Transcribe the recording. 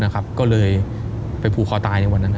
ก็เลยไปผูกคอตายในวันนั้น